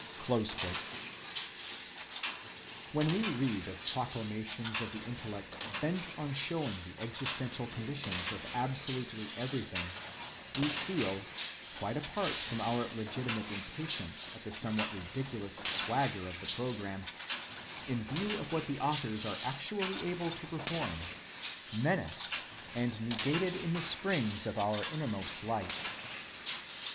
When we read such proclamations of the intellect bent on showing the existential conditions of absolutely everything, we feel—quite apart from our legitimate impatience at the somewhat ridiculous swagger of the program, in view of what the authors are actually able to perform—menaced and negated in the springs of our innermost life.